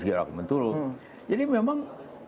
segitu berat menurun jadi memang